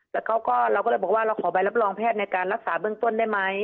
แต่เขาก็เราก็เลยบอกว่าเราขอใบรับรองแพทย์ในการรักษาเบื้องต้นได้ไหม